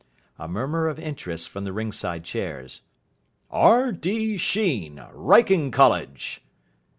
A murmur of interest from the ring side chairs. "R. D. Sheen, Wrykyn College."